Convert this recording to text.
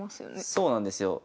そうなんですよ。